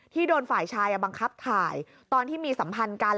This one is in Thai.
โดนฝ่ายชายบังคับถ่ายตอนที่มีสัมพันธ์กัน